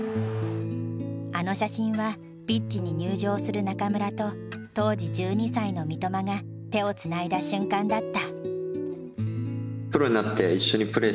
あの写真はピッチに入場する中村と当時１２歳の三笘が手をつないだ瞬間だった。